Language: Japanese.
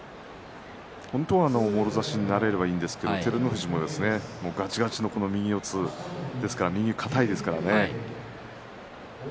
本当は、もろ差しになれればいいんですけれども照ノ富士もガチガチの右四つですから、右が固いですからね。